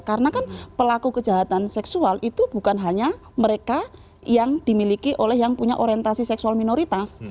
karena kan pelaku kejahatan seksual itu bukan hanya mereka yang dimiliki oleh yang punya orientasi seksual minoritas